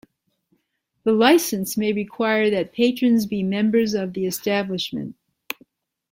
The license may require that patrons be members of the establishment.